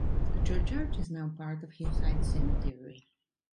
The churchyard is now part of Hillside Cemetery.